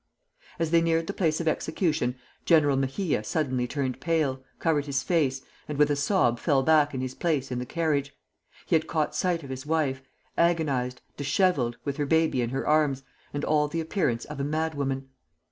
As they neared the place of execution, General Mejia suddenly turned pale, covered his face, and with a sob fell back in his place in the carriage. He had caught sight of his wife, agonized, dishevelled, with her baby in her arms, and all the appearance of a madwoman.